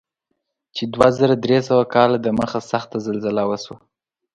چې دوه زره درې سوه کاله دمخه سخته زلزله وشوه.